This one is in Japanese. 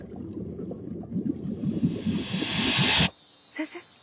先生？